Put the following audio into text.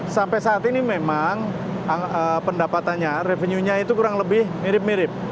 sampai saat ini memang pendapatannya revenue nya itu kurang lebih mirip mirip